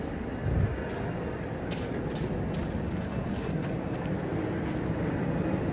มันก็คือหนึ่งกับเกิดหน้าคัดฝังใช้หนักเกี่ยวกับคุณ